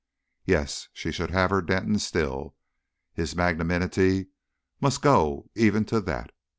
Yes she should have her Denton still. His magnanimity must go even to that.